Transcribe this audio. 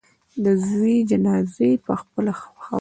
د زوی جنازه یې پخپله ښخوله.